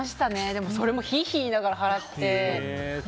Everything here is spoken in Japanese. でも、それもヒーヒー言いながら払って。